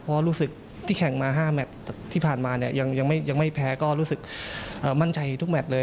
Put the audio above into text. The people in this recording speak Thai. เพราะรู้สึกที่แข่งมา๕แมทที่ผ่านมาเนี่ยยังไม่แพ้ก็รู้สึกมั่นใจทุกแมทเลย